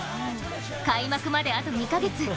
開幕まであと２カ月。